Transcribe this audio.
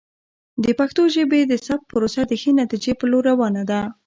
د پښتو ژبې د ثبت پروسه د ښې نتیجې په لور روانه ده.